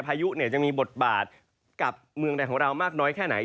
พายุจะมีบทบาทกับเมืองใดของเรามากน้อยแค่ไหน